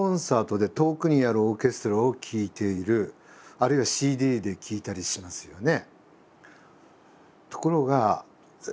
あるいはＣＤで聴いたりしますよね。